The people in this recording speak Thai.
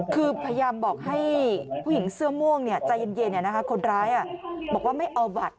คือพยายามบอกให้ผู้หญิงเสื้อม่วงใจเย็นคนร้ายบอกว่าไม่เอาบัตร